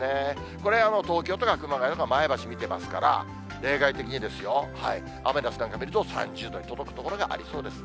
これ、東京とか熊谷とか前橋見てますから、例外的にですよ、３０度に届く所がありそうです。